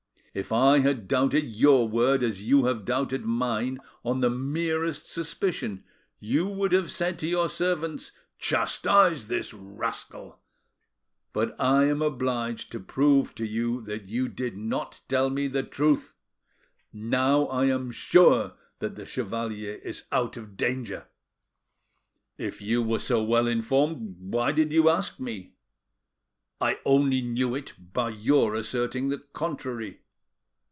If I had doubted your word as you have doubted mine on the merest suspicion, you would have said to your servants, 'Chastise this rascal.' But I am obliged to prove to you that you did not tell me the truth. Now I am sure that the chevalier is out of danger." "If you were so well informed why did you ask me?" "I only knew it by your asserting the contrary."